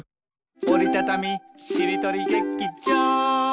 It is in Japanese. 「おりたたみしりとり劇場」